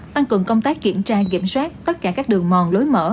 tăng cường công tác kiểm tra kiểm soát tất cả các đường mòn lối mở